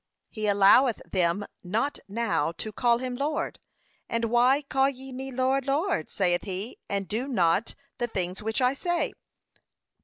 He alloweth them not now to call him Lord. 'And why call ye me Lord, Lord,' saith he, 'and do not, the things which I say?'